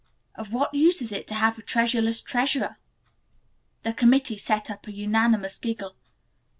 "Of what use is it to have a treasureless treasurer?" The committee set up a unanimous giggle.